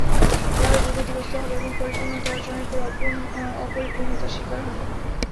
লাভের পর ক্ষতিগ্রস্ত হবে এবং পরিপূর্ণতা অর্জনের পর অপরিপূর্ণতার শিকার হবে।